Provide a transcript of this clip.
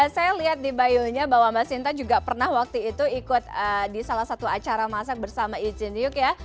saya lihat di bionya bahwa mbak sinta juga pernah waktu itu ikut di salah satu acara masak bersama izin yuk ya